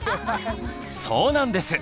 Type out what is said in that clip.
そうなんです！